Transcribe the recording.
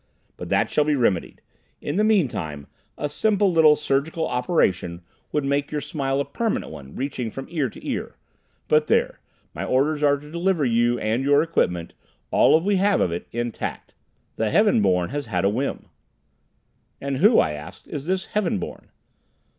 But that shall be remedied. In the meantime, a simple little surgical operation would make your smile a permanent one, reaching from ear to ear. But there, my orders are to deliver you and your equipment, all we have of it, intact. The Heaven Born has had a whim." "And who," I asked, "is this Heaven Born?"